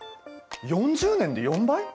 ４０年で４倍！？